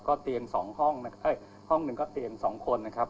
เตียง๒ห้องห้องหนึ่งก็เตียง๒คนนะครับ